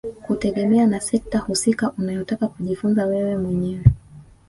Kutegemea na sekta husika unayotaka kujifunza wewe mwenyewe